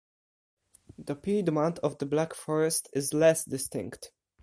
The piedmont of the Black Forest is less distinct.